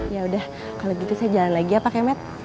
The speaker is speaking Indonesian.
yaudah kalau gitu saya jalan lagi ya pak ya met